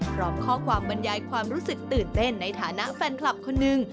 พร้อมข้อความบรรยายความรู้สึกตื่นเต้นในฐานะแฟนคลับคนหนึ่ง